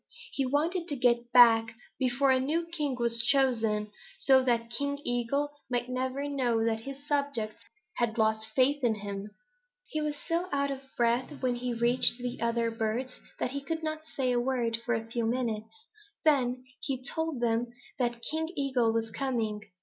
He wanted to get back before a new king was chosen, so that King Eagle might never know that his subjects had lost faith in him. "He was so out of breath when he reached the other birds that he couldn't say a word for a few minutes. Then he told them that King Eagle was coming.